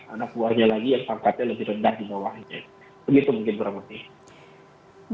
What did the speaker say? anak buahnya lagi yang pangkatnya lebih rendah di bawahnya